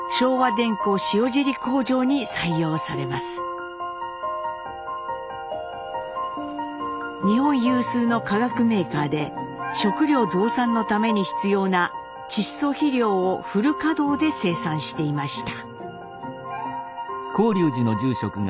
日本有数の化学メーカーで食糧増産のために必要な窒素肥料をフル稼働で生産していました。